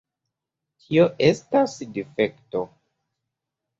Tio estas difekto.